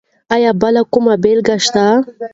ایا بل کومه بېلګه شته؟